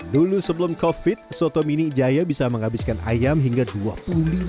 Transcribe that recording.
dulu sebelum covid soto minijaya bisa menghabiskan ayam hingga dua tahun